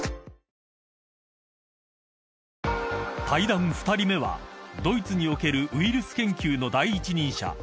［対談２人目はドイツにおけるウイルス研究の第一人者］